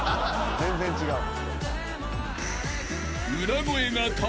全然違う。